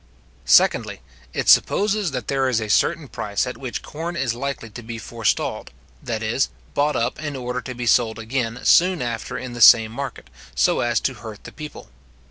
Secondly, It supposes that there is a certain price at which corn is likely to be forestalled, that is, bought up in order to be sold again soon after in the same market, so as to hurt the people.